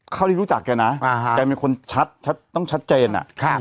เท่าที่รู้จักแกนะแกเป็นคนชัดต้องชัดเจน